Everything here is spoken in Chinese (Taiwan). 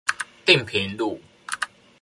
碇坪路